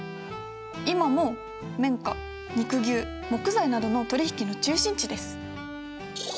今も綿花肉牛木材などの取り引きの中心地です。